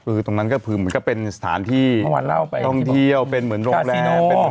คือตรงนั้นก็เป็นสถานที่ท่องเที่ยวเป็นเหมือนโรงแรม